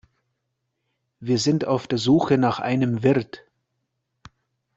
Wir sind auf der Suche nach einem Wirt.